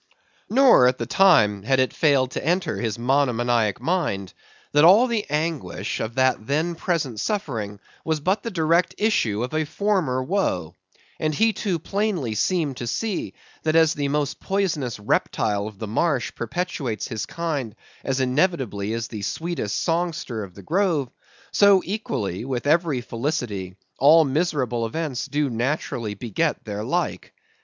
Nor, at the time, had it failed to enter his monomaniac mind, that all the anguish of that then present suffering was but the direct issue of a former woe; and he too plainly seemed to see, that as the most poisonous reptile of the marsh perpetuates his kind as inevitably as the sweetest songster of the grove; so, equally with every felicity, all miserable events do naturally beget their like.